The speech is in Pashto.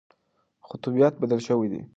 خو طبیعت بدل شوی دی.